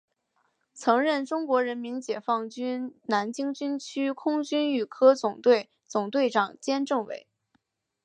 曾任中国人民解放军南京军区空军预科总队总队长兼政委。